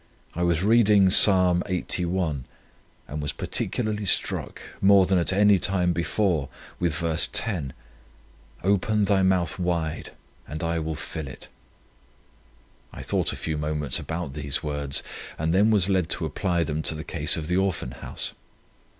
I was reading Psalm lxxxi., and was particularly struck, more than at any time before, with verse 10: "Open thy month wide, and I will fill it." I thought a few moments about these words, and then was led to apply them to the case of the Orphan House.